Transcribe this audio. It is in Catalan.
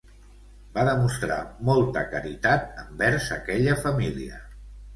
Va demostrar molta caritat envers aquella família.